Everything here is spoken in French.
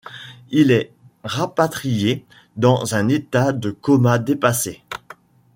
Il est rapatrié dans un état de coma dépassé.